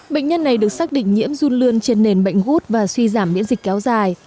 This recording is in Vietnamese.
bệnh nhân này được xác định nhiễm run lươn trên nền bệnh gút và suy giảm miễn dịch kéo dài